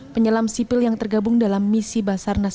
penyelam sipil yang tergabung dalam misi basarnas